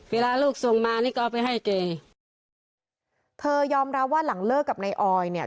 เวลาลูกส่งมานี่ก็เอาไปให้แกเธอยอมรับว่าหลังเลิกกับนายออยเนี่ย